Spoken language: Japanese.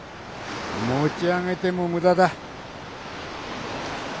持ち上げても無駄だ。